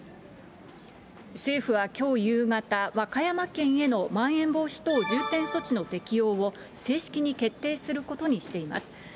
政府はきょう夕方、和歌山県へのまん延防止等重点措置の適用を、正式に決定することにしています。